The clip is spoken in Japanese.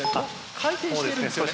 回転してるんですよね。